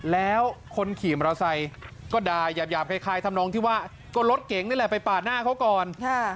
แล้วคนขี่มอเตอร์ไซค์ก็ด่ายาบคล้ายทำนองที่ว่าก็รถเก๋งนี่แหละไปปาดหน้าเขาก่อน